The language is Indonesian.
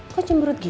kok cemberut gitu